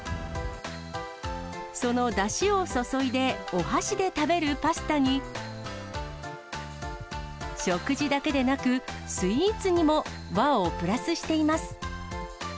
そのだしを注いで、お箸で食べるパスタに、食事だけでなく、スイーツにも和をプラスしています。